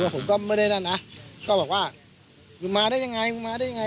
ผมก็ไม่ได้นั่นนะก็บอกว่ามึงมาได้ยังไงมึงมาได้ยังไง